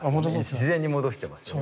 自然に戻していますよね。